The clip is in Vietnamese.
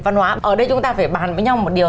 văn hóa ở đây chúng ta phải bàn với nhau một điều